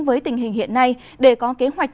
với tình hình hiện nay để có kế hoạch